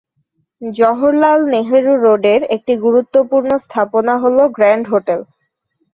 জওহরলাল নেহেরু রোডের একটি গুরুত্বপূর্ণ স্থাপনা হল গ্র্যান্ড হোটেল।